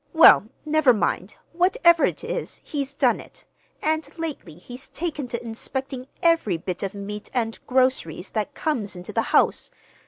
Well, never mind. Whatever it is, he's done it. And lately he's taken to inspecting every bit of meat and groceries that comes into the house.